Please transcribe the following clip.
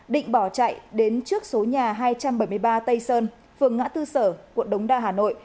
định bỏ chạy đến trước số nhà hai trăm bảy mươi ba tây sơn phường ngã tư sở quận đống đa hà nội